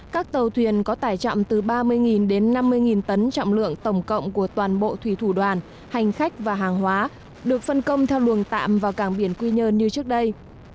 các tàu thuyền có tải trọng từ ba mươi đến năm mươi tấn trọng lượng tổng cộng của toàn bộ thủy thủ đoàn hành khách và hàng hóa được phân công theo luồng tạm vào cảng biển quy nhơn như trước đây